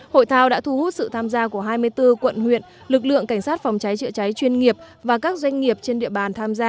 hội thao đã thu hút sự tham gia của hai mươi bốn quận huyện lực lượng cảnh sát phòng cháy chữa cháy chuyên nghiệp và các doanh nghiệp trên địa bàn tham gia